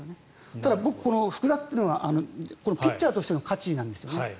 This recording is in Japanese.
ただ、僕複雑というのがピッチャーとしての価値なんですね。